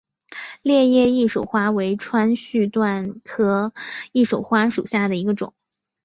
裂叶翼首花为川续断科翼首花属下的一个种。